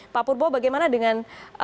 pak purbo bagaimana dengan